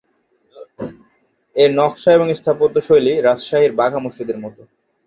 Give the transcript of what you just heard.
এর নকশা এবং স্থাপত্য শৈলী রাজশাহীর বাঘা মসজিদ এর মত।